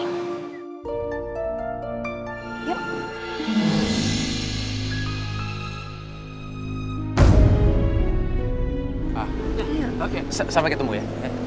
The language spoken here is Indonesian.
oke sampai ketemu ya